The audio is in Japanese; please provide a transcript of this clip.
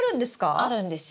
あるんですよ。